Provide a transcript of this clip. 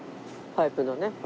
パイプの。